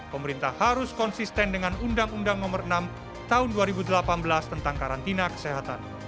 pemerintah harus konsisten dengan undang undang nomor enam tahun dua ribu delapan belas tentang karantina kesehatan